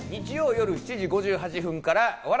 日曜夜７時５８分から『笑